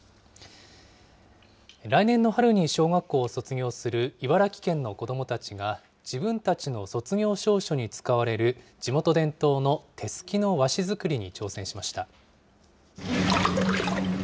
来年の春に小学校を卒業する茨城県の子どもたちが、自分たちの卒業証書に使われる地元伝統の、手すきの和紙作りに挑戦しました。